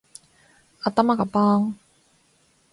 頭がパーン